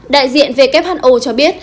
đại diện who cho biết